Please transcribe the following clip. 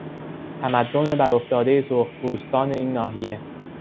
تمدن برافتادهی سرخپوستان این ناحیه